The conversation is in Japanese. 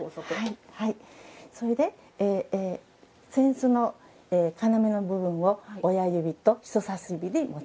それで、扇子の要の部分を親指と人さし指で持ちます。